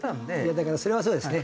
だからそれはそうですね。